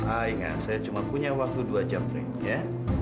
aingat saya cuma punya waktu dua jam ya